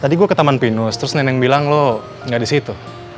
tadi gue ke taman pinus terus neneng bilang lo gak di situ